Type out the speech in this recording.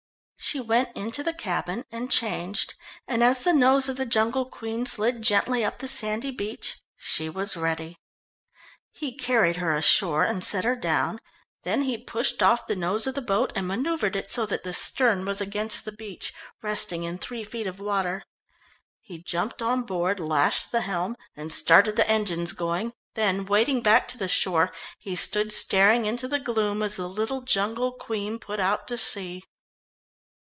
She went into the cabin and changed, and as the nose of the Jungle Queen slid gently up the sandy beach she was ready. He carried her ashore, and set her down, then he pushed off the nose of the boat, and manoeuvred it so that the stern was against the beach, resting in three feet of water. He jumped on board, lashed the helm, and started the engines going, then wading back to the shore he stood staring into the gloom as the little Jungle Queen put out to sea.